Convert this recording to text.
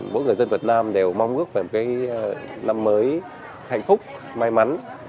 mỗi người dân việt nam đều mong ước về một cái năm mới hạnh phúc may mắn